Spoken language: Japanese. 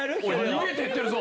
逃げてってるぞ！